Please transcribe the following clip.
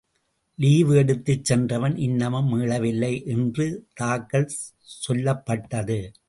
Leave எடுத்துச் சென்றவன் இன்னமும் மீளவில்லை என்று தாக்கல் சொல்லப்பட்டது.